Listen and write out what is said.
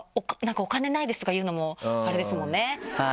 「お金ないです」とか言うのもあれですもんね。